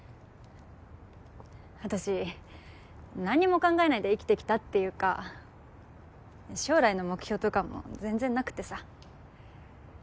私何にも考えないで生きてきたっていうか将来の目標とかも全然なくてさ。